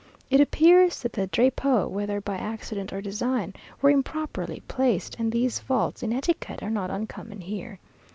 It appears that the drapeaux whether by accident or design, were improperly placed, and these faults in etiquette are not uncommon here.